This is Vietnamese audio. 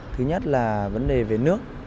thứ nhất là vấn đề về nước